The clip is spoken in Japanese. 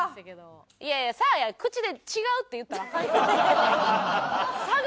いやいやサーヤ口で「違う」って言ったらアカンよ。